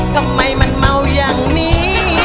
ทำไมมันเมาอย่างนี้